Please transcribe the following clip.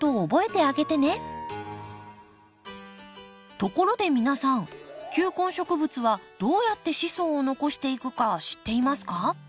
ところで皆さん球根植物はどうやって子孫を残していくか知っていますか？